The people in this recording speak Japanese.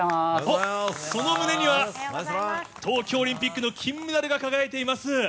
その旨には、東京オリンピックの金メダルが輝いています。